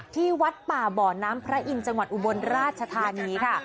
ที่วัดป่าบ่อน้ำพระอินทร์จังหวัดอุบลราชธานีค่ะ